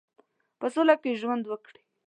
په سوله کې ژوند وکړي.